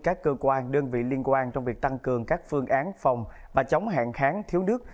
các cơ quan đơn vị liên quan trong việc tăng cường các phương án phòng và chống hạn kháng thiếu nước